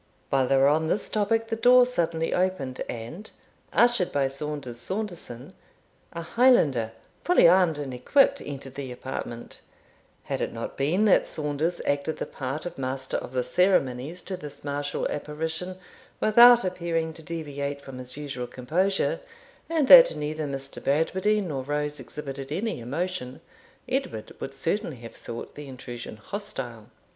While they were on this topic, the door suddenly opened, and, ushered by Saunders Saunderson, a Highlander, fully armed and equipped, entered the apartment. Had it not been that Saunders acted the part of master of the ceremonies to this martial apparition, without appearing to deviate from his usual composure, and that neither Mr. Bradwardine nor Rose exhibited any emotion, Edward would certainly have thought the intrusion hostile.